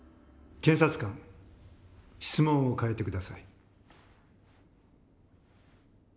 検察官質問を変えて下さい。